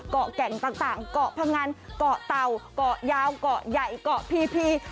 เกาะแก่งต่างเกาะพงันเกาะเตาเกาะยาวเกาะใหญ่เกาะพี